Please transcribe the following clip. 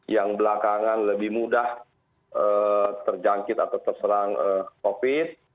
yang belakangan lebih mudah terjangkit atau terserang covid